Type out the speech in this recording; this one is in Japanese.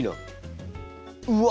うわ！